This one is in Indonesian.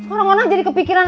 orang ona jadi kepikiran